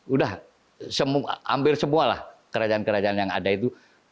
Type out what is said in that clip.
udah hampir semua lah kerajaan kerajaan yang ada itu